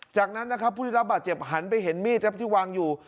จากนั้นนะครับผู้ได้รับบาดเจ็บหันไปเห็นมีดที่วางอยู่